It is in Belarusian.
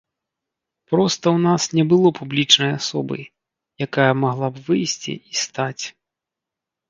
Проста ў нас не было публічнай асобы, якая магла б выйсці і стаць.